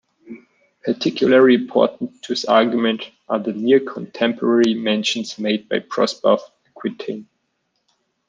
Particularly important to his argument are the near-contemporary mentions made by Prosper of Aquitaine.